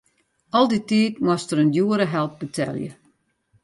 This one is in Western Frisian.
Al dy tiid moast er in djoere help betelje.